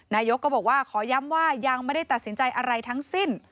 นายกก็บอกว่าขอย้ำว่ายังไม่ได้ตัดสินใจอะไรทั้งสิ้น